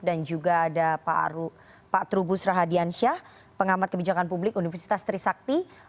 dan juga ada pak aru pak trubu srahadiansyah pengamat kebijakan publik universitas trisakti